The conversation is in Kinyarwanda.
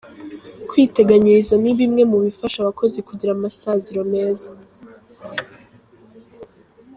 Kwiteganyiriza ni bimwe mu bifasha abakozi kugira amasaziro meza.